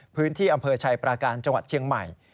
พื้นที่อำเภอชัยปราการจังหวัดเชียงใหม่